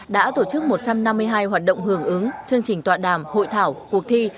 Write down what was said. đã tổ chức một trăm năm mươi hai hoạt động hưởng ứng chương trình tọa đàm hội thảo cuộc thi